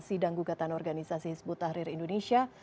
sidang gugatan organisasi hizbut tahrir indonesia